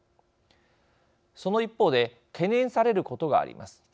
その一方で懸念されることがあります。